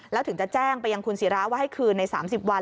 แล้วถึงจะแจ้งไปยังคุณศิราว่าให้คืนใน๓๐วัน